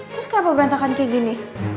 terus kenapa berantakan kayak gini